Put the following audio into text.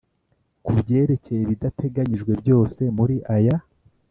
Ku byerekeye ibidateganijwe byose muri aya